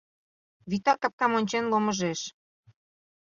Вӱта капкам ончен ломыжеш.